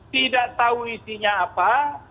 tidak tahu isinya apa